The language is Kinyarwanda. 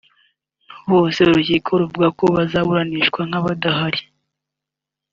bose urukiko ruvuga ko bazaburanishwa nk’abadahari